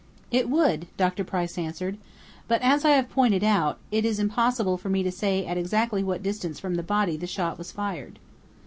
"It would," Dr. Price answered. "But as I have pointed out, it is impossible for me to say at exactly what distance from the body the shot was fired."